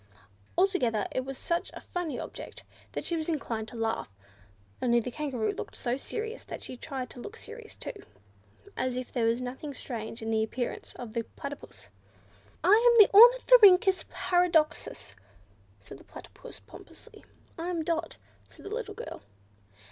Altogether it was such a funny object that she was inclined to laugh, only the Kangaroo looked so serious, that she tried to look serious too, as if there was nothing strange in the appearance of the Platypus. "I am the Ornithorhynchus Paradoxus!" said the Platypus pompously. "I am Dot," said the little girl.